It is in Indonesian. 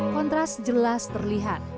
kontras jelas terlihat